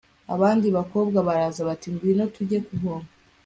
abandi bakobwa baraza bati 'ngwino tujye kuvoma